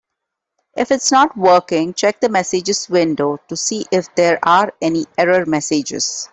If it's not working, check the messages window to see if there are any error messages.